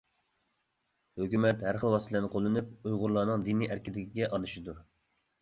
ھۆكۈمەت ھەر خىل ۋاسىتىلەرنى قوللىنىپ ئۇيغۇرلارنىڭ دىنىي ئەركىنلىكىگە ئارىلىشىدۇ.